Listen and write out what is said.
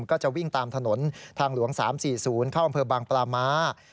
ก็จะวิ่งตามถนนทางหลวง๓๔๐เข้าอำเภอบางปลาม้า